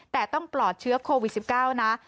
แต่ต้องปลอดเชื้อโควิด๑๙นะ